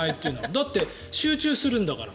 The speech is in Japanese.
だって集中するんだから。